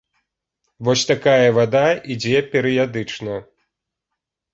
Вось такая вада ідзе перыядычна!